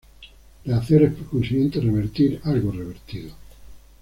Rehacer es por consiguiente, revertir algo revertido.